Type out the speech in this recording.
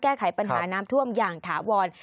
แก้ไขปัญหาน้ำท่วมอย่างถาวร